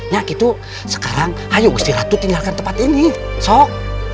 ya gitu sekarang ayo gusti ratu tinggalkan tempat ini sok